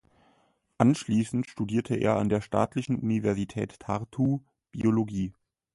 Anschließend studierte er an der Staatlichen Universität Tartu Biologie.